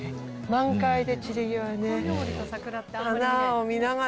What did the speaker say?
満開で散り際ね。